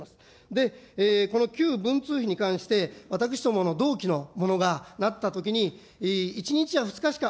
で、この旧文通費に関して、私どもの同期のものがなったときに、１日か２日しか。